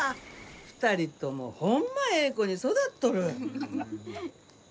２人ともホンマええ子に育っとる。